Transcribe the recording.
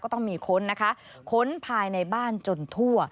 ต้องมีค้นนะคะค้นภายในบ้านจนทั่ว